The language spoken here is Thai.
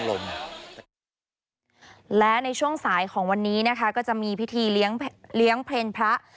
และในช่วงสายของวันนี้นะคะก็จะมีพิธีเลี้ยงเพลงพระ